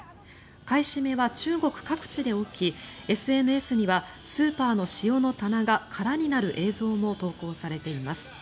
買い占めは中国各地で起きＳＮＳにはスーパーの塩の棚が空になる映像も投稿されています。